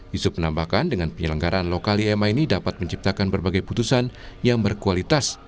yusuf menambahkan dengan penyelenggaraan lokal ima ini dapat menciptakan berbagai putusan yang berkualitas